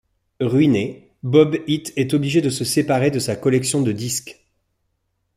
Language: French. Ruiné, Bob Hite est obligé de se séparer de sa collection de disques.